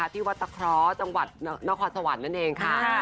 ที่วัดตะเคราะห์จังหวัดนครสวรรค์นั่นเองค่ะ